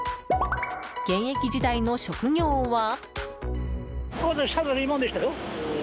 現役時代の職業は？